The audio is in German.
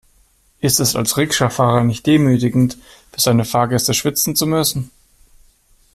Ist es als Rikscha-Fahrer nicht demütigend, für seine Fahrgäste schwitzen zu müssen?